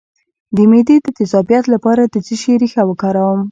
د معدې د تیزابیت لپاره د څه شي ریښه وکاروم؟